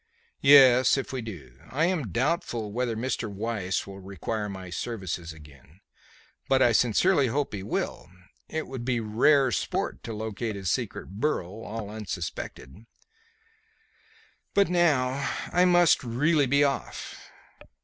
"Yes, if we do. I am doubtful whether Mr. Weiss will require my services again, but I sincerely hope he will. It would be rare sport to locate his secret burrow, all unsuspected. But now I must really be off."